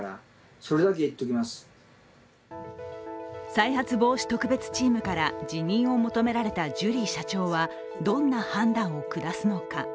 再発防止特別チームから辞任を求められたジュリー社長はどんな判断を下すのか。